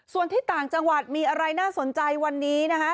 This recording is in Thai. ส่วนที่ต่างจังหวัดมีอะไรน่าสนใจวันนี้นะคะ